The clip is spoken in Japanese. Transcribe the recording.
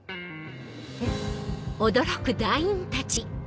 えっ？